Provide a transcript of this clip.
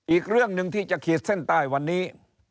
อีกเรื่องหนึ่งที่จะขีดเส้นใต้วันนี้